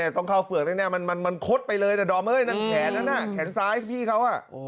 ต้องเข้าเฝือกแน่มันคดไปเลยดอมเอ้ยแขนซ้ายพี่เขา